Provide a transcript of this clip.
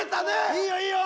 いいよいいよ！